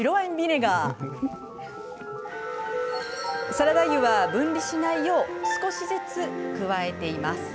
サラダ油は、分離しないよう少しずつ加えています。